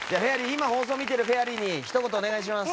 今放送見ているフェアリーにひと言お願いします。